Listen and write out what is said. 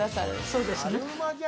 そうですね。